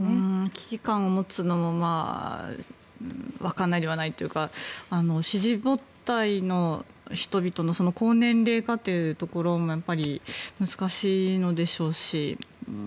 危機感を持つのもわからないではないというか支持母体の人々の高年齢化というところもやっぱり、難しいのでしょうし。